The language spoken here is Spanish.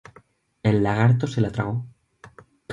El lagarto se la tragó.